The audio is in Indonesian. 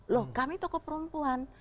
loh kami tokoh perempuan